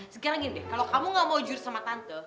sekarang gini deh kalau kamu gak mau jurus sama tante